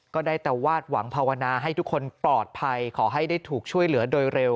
ก็ได้แต่วาดหวังภาวนาให้ทุกคนปลอดภัยขอให้ได้ถูกช่วยเหลือโดยเร็ว